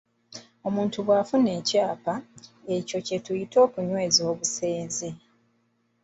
Omuntu bw'afuna ekyapa, ekyo kye tuyita okunyweza obusenze.